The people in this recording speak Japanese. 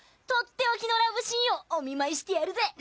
とっておきのラブシーンをおみまいしてやるぜ！